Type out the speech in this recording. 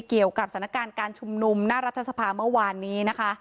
เกี่ยวกับสถานการณ์การชุมนุมหน้ารัฐสภาเมื่อวานนี้นะคะ